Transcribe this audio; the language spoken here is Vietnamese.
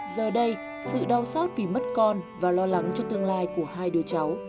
giờ đây sự đau xót vì mất con và lo lắng cho tương lai của hai đứa cháu